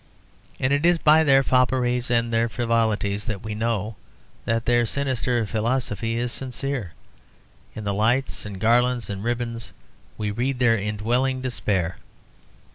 And it is by their fopperies and their frivolities that we know that their sinister philosophy is sincere; in their lights and garlands and ribbons we read their indwelling despair.